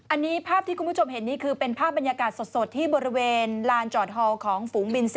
อันนี้ภาพที่คุณผู้ชมเห็นนี่คือเป็นภาพบรรยากาศสดที่บริเวณลานจอดฮอลของฝูงบิน๔